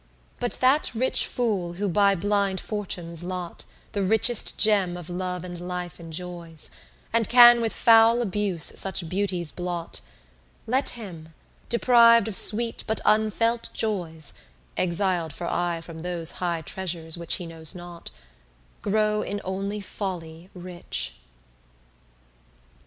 But that rich fool who by blind Fortune's lot The richest gem of love and life enjoys, And can with foul abuse such beauties blot; Let him, depriv'd of sweet but unfelt joys, (Exil'd for aye from those high treasures, which He knows not) grow in only folly rich.